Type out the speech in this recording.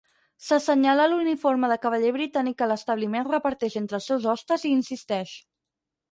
S'assenyala l'uniforme de cavaller britànic que l'establiment reparteix entre els seus hostes i insisteix.